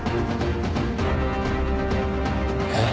えっ？